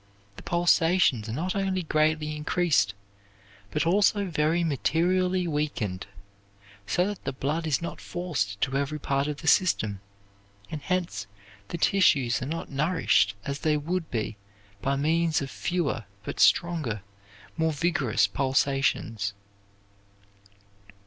The pulsations are not only greatly increased but also very materially weakened, so that the blood is not forced to every part of the system, and hence the tissues are not nourished as they would be by means of fewer but stronger, more vigorous pulsations.